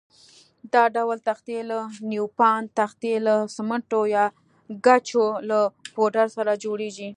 دا ډول تختې لکه نیوپان تختې له سمنټو یا ګچو له پوډر سره جوړېږي.